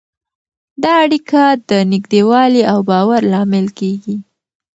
دا اړیکه د نږدېوالي او باور لامل کېږي.